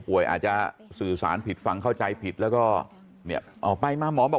อาจจะสื่อสารผิดฟังเข้าใจผิดแล้วก็เนี่ยออกไปมาหมอบอก